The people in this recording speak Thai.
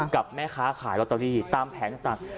กับแม่คะขายลอตเตอรี่ตามแผนก็ตาม